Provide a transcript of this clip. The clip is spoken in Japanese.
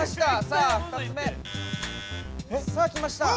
さあ来ました。